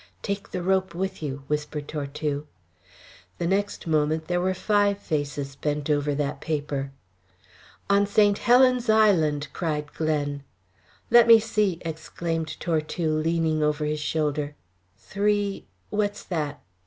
"Take the rope with you," whispered Tortue. The next moment there were five faces bent over that paper. "On St. Helen's Island," cried Glen. "Let me see!" exclaimed Tortue, leaning over his shoulder. "Three what's that?